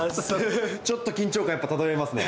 ちょっと緊張感やっぱ漂いますね。